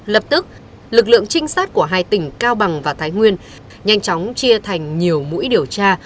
lập tức lực lượng trinh sát của hai tỉnh cao bằng và thái nguyên nhanh chóng chia thành nhiều mũi điều tra